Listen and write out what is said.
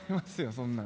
そんなんね。